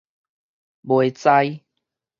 袂在